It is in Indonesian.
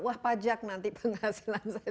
wah pajak nanti penghasilan saya